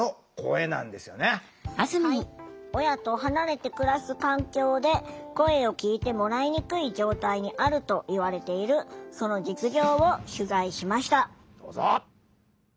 親と離れて暮らす環境で声を聴いてもらいにくい状態にあるといわれているその実情を取材しました。